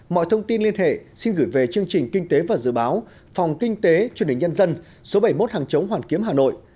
mọi thông tin liên hệ xin gửi về chương trình kinh tế và dự báo phòng kinh tế truyền hình nhân dân số bảy mươi một hàng chống hoàn kiếm hà nội